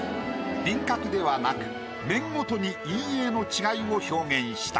輪郭ではなく面ごとに陰影の違いを表現した。